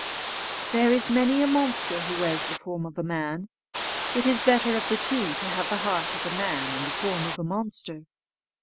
"There is many a monster who wears the form of a man; it is better of the two to have the heart of a man and the form of a monster."